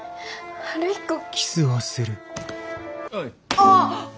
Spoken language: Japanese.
あっ！